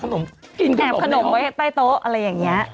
แอบขนมไว้ใต้โต๊ะอะไรอย่างนี้